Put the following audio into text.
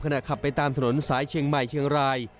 ขับไปตามถนนสายเชียงใหม่เชียงราย